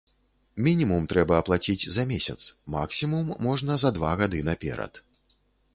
Мінімум трэба аплаціць за месяц, максімум можна за два гады наперад.